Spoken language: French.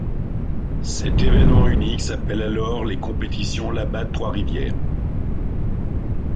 Cet évènement unique s’appelle alors les Compétitions Labatt Trois-Rivières.